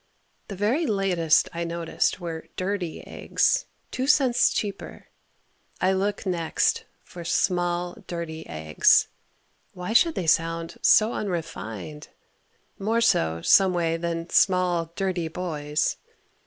The very latest I noticed were "dirty" eggs, 2 cents cheaper. I look next for "small dirty eggs." Why should they sound so unrefined? More so some way than "small dirty boys."